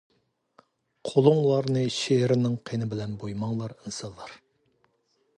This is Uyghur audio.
قولۇڭلارنى شېئىرنىڭ قىنى بىلەن بويىماڭلار ئىنسانلار.